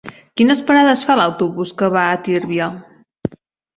Quines parades fa l'autobús que va a Tírvia?